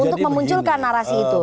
untuk memunculkan narasi itu